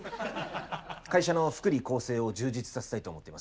会社の福利厚生を充実させたいと思っています。